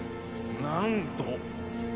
なんと！